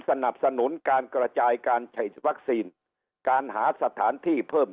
สนับสนุนการกระจายการฉีดวัคซีนการหาสถานที่เพิ่ม